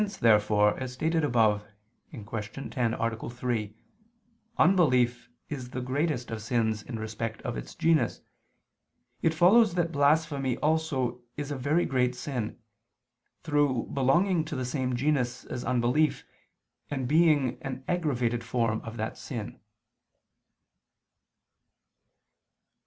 Therefore, since, as stated above (Q. 10, A. 3), unbelief is the greatest of sins in respect of its genus, it follows that blasphemy also is a very great sin, through belonging to the same genus as unbelief and being an aggravated form of that sin.